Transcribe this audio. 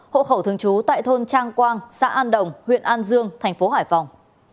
hộ khẩu thường trú tại thôn trang quang xã an đồng huyện an dương thành phố hải phòng